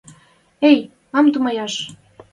Эй, мам тумаяш!..